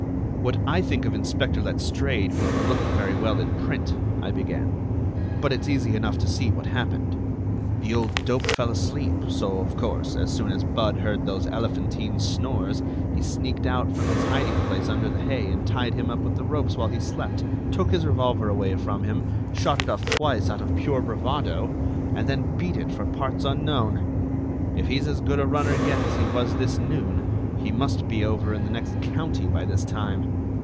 "What I think of Inspector Letstrayed wouldn't look very well in print," I began; "but it's easy enough to see what happened. The old dope fell asleep, so, of course, as soon as Budd heard those elephantine snores, he sneaked out from his hiding place under the hay and tied him up with the ropes while he slept, took his revolver away from him, shot it off twice out of pure bravado, and then beat it for parts unknown. If he's as good a runner yet as he was this noon, he must be over in the next county by this time!